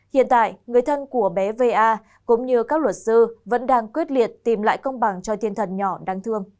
hiện tại người thân của bé va cũng như các luật sư vẫn đang quyết liệt tìm lại công bằng cho thiên thần nhỏ đang thương